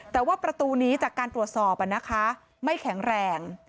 แต่ว่าประตูนี้จากการตรวจสอบไม่แข็งแรง